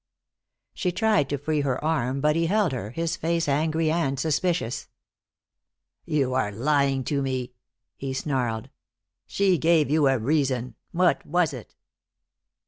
She tried to free her arm, but he held her, his face angry and suspicious. "You are lying to me," he snarled. "She gave you a reason. What was it?"